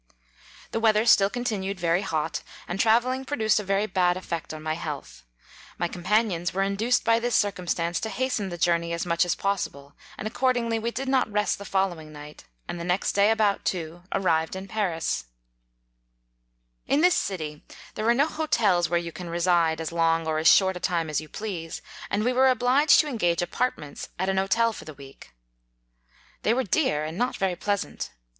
The weather still continued very hot, and travelling produced a very bad ef fect upon my health ; my companions were induced by this circumstance to hasten the journey as much as possi ble ; and accordingly we did not rest the following night, and the next day, about two, arrived in Paris, It In this city there are no hotels where you can reside as long or as short a time as you please, and we were obliged to engage apartments at an hotel for a week. They were dear, and not very pleasant.